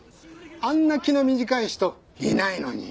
あんな気の短い人いないのに。